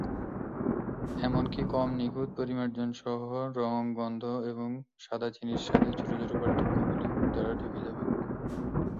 এমনকি কম-নিখুঁত পরিমার্জন সহ, রঙ, গন্ধ এবং সাদা চিনির স্বাদে ছোট ছোট পার্থক্যগুলি গুড় দ্বারা ঢেকে যাবে।